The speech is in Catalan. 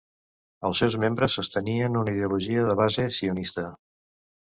Els seus membres sostenien una ideologia de base sionista.